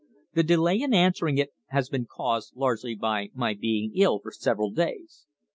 The delay in answering it has been caused largely by my being ill for several days.